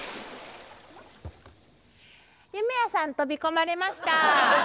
夢屋さん飛び込まれました。